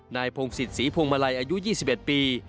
นายพงศิษย์ศรีพวงมาลัยอายุ๒๑ปี